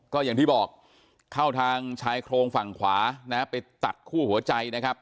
ก็อย่างที่บอกเข้าทางชายโครงฝั่งขวานะฮะไปตัดคู่หัวใจนะครับ